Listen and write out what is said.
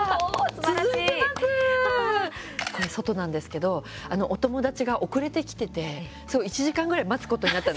これ外なんですけど、お友達が遅れてきてて１時間ぐらい待つことになったんで。